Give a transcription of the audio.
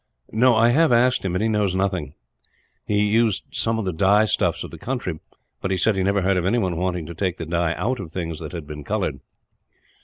"No; I have asked him, and he knows of nothing. He used some of the dye stuffs of the country, but he said he never heard of anyone wanting to take the dye out of things that had been coloured."